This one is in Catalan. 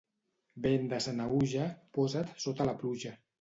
Vent de Sanahuja, posa't sota la pluja.